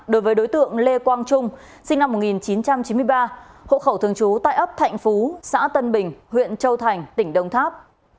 đối với đối tượng lê quang trung sinh năm một nghìn chín trăm chín mươi ba hộ khẩu thường trú tại ấp thạnh phú xã tân bình huyện châu thành tỉnh đông tháp